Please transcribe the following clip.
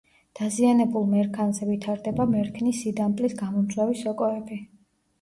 დაზიანებულ მერქანზე ვითარდება მერქნის სიდამპლის გამომწვევი სოკოები.